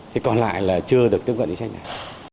thì còn lại là chưa được tiếp cận chính sách này